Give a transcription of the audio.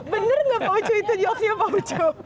bener nggak pak ucu itu jokesnya pak ucu